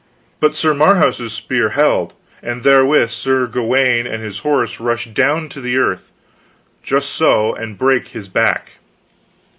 "but Sir Marhaus's spear held; and therewith Sir Gawaine and his horse rushed down to the earth " "Just so and brake his back."